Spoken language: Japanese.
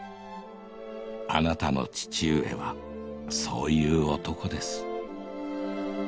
あなたの父上はそういう男です。